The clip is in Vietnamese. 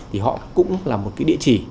thì họ cũng là một cái địa chỉ